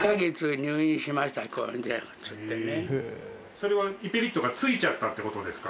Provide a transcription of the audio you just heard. それはイペリットが付いちゃったってことですか？